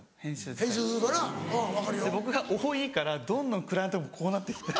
で僕が多いからどんどんクライアントもこうなって来て。